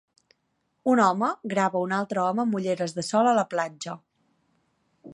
Un home grava un altre home amb ulleres de sol a la platja.